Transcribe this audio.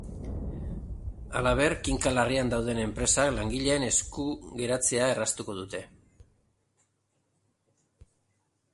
Halaber, kinka larrian dauden enpresak langileen esku geratzea erraztuko dute.